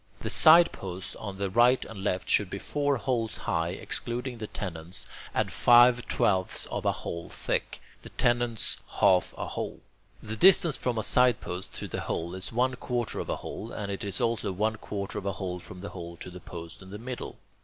The sideposts on the right and left should be four holes high, excluding the tenons, and five twelfths of a hole thick; the tenons, half a hole. The distance from a sidepost to the hole is one quarter of a hole, and it is also one quarter of a hole from the hole to the post in the middle.